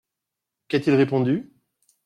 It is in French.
Qu’a-t-il répondu ?